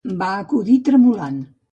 Va acudir tremolant.